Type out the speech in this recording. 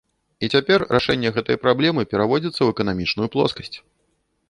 І цяпер рашэнне гэтай праблемы пераводзіцца ў эканамічную плоскасць.